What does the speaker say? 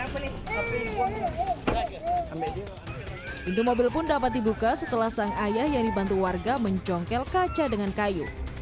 pintu mobil pun dapat dibuka setelah sang ayah yang dibantu warga mencongkel kaca dengan kayu